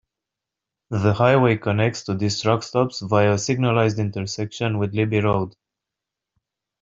The highway connects to these truck stops via a signalized intersection with Libbey Road.